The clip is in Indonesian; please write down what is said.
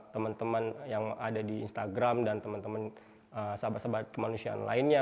teman teman yang ada di instagram dan teman teman sahabat sahabat kemanusiaan lainnya